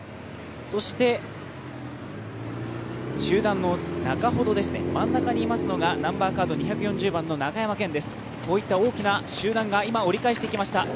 そして、集団の中ほど真ん中にいますのがナンバーカード２４０番の中山顕ですこういった大きな集団が今、折り返していきました。